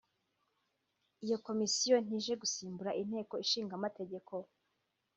iyi Komisiyo ntije gusimbura Inteko Ishinga Amategeko